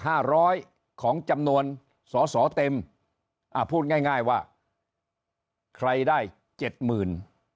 ห้าร้อยของจำนวนสอสอเต็มอ่าพูดง่ายง่ายว่าใครได้เจ็ดหมื่น